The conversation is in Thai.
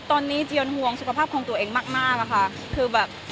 ตอนนี้เจียวห่วงสุขภาพของตัวเองมากค่ะ